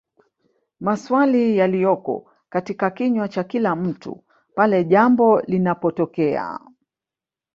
Masawli yaliyoko katika kinywa cha kila mtu pale jambo linapotokea